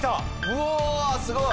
うわすごい。